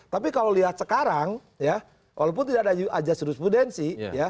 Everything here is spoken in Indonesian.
tapi kalau lihat sekarang walaupun tidak ada aja sudut mudensi